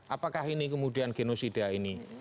apakah ini kemudian genosida ini